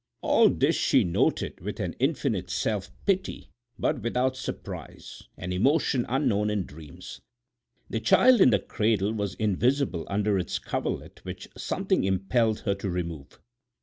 All this she noted with an infinite self pity, but without surprise—an emotion unknown in dreams. The child in the cradle was invisible under its coverlet which something impelled her to remove.